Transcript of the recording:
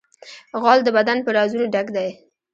غول د بدن په رازونو ډک دی.